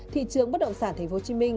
thị trường bất động sản tp hcm